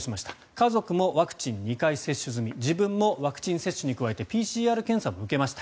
家族もワクチン２回接種済み自分もワクチン接種に加えてＰＣＲ検査も受けました。